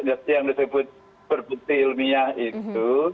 nah kalau yang disebut berbukti ilmiah itu